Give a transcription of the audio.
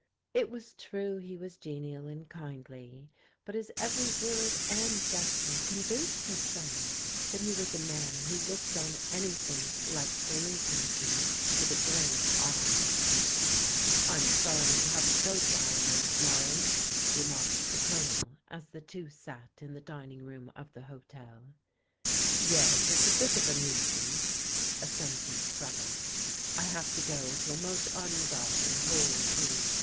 It was true he was genial and kindly, but his every word and gesture con vinced his son that he was a man who looked on any thing like delinquency with a grave eye. Tm sorry you have to go to Ireland to morrow " t^ 113 44 114 PRODIGAL DAUGHTERS marked the Colonel as the two sat in the dining room of the hotel. " Yes, it's a bit of a nuisance," assented Trevor, " I have to go to a most ungodly hole, too.